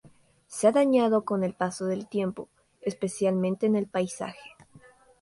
Se ha dañado con el paso del tiempo, especialmente en el paisaje.